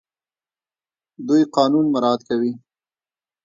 دوی قانون مراعات کوي.